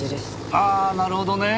ああなるほどね。